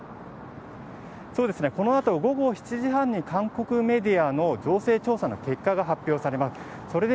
このあと午後７時半に韓国メディアの情勢調査の結果が発表されます。